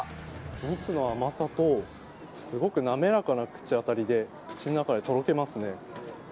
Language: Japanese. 蜜の甘さとすごく滑らかな口当たりで口の中でとろけますね。